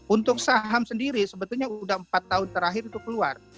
untuk saham sendiri sebetulnya sudah empat tahun terakhir itu keluar